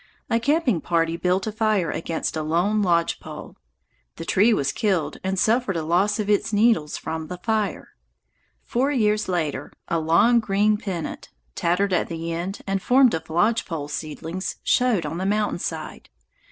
A camping party built a fire against a lone lodge pole. The tree was killed and suffered a loss of its needles from the fire. Four years later, a long green pennant, tattered at the end and formed of lodge pole seedlings, showed on the mountain side.